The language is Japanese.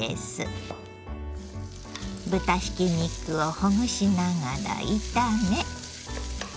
豚ひき肉をほぐしながら炒め。